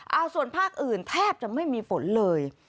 เอาส่วนภาคอื่นแทบจะไม่มีฝนเลย